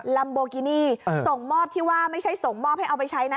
ลัมโบกินี่ส่งมอบที่ว่าไม่ใช่ส่งมอบให้เอาไปใช้นะ